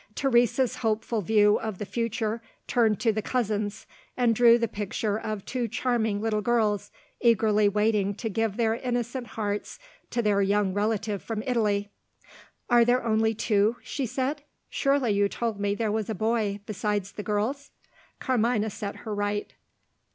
Teresa's hopeful view of the future turned to the cousins, and drew the picture of two charming little girls, eagerly waiting to give their innocent hearts to their young relative from Italy. "Are there only two?" she said. "Surely you told me there was a boy, besides the girls?" Carmina set her right.